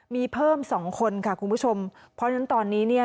มีเพิ่มสองคนค่ะคุณผู้ชมเพราะฉะนั้นตอนนี้เนี่ย